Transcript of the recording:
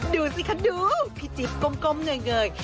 ดูสิคะดูพี่จิ๊บก้มเงย